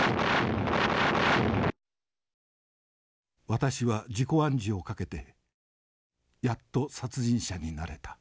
「私は自己暗示をかけてやっと殺人者になれた。